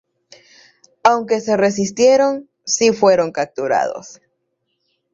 Aunque se resistieron sí fueron capturados.